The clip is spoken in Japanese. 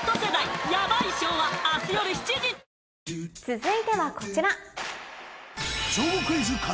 続いてはこちら。